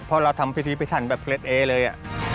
เพราะเราทำพิธีพิธีศัลย์แบบเกล็ดเอ๊ะเลย